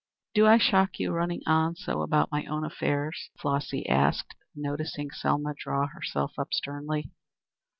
Do I shock you running on so about my own affairs?" Flossy asked, noticing Selma draw herself up sternly.